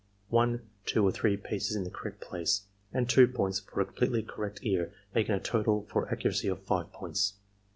e., one, two, or three pieces in the correct place — ^and 2 points for a completely correct ear, making a total for accuracy of 5 points.